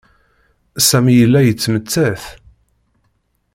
Sami yella yettmettat.